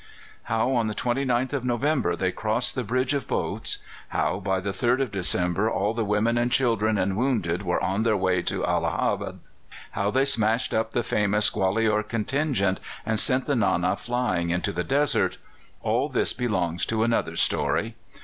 How on the 29th of November they crossed the bridge of boats; how by the 3rd of December all the women and children and wounded were on their way to Allahabad; how they smashed up the famous Gwalior contingent and sent the Nana flying into the desert all this belongs to another story.